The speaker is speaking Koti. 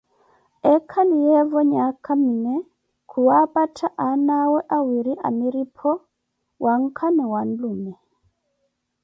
Ekhaliyeevo nhaaka minee, khuwaapatha anawe awire amiripho, wankha na whanlume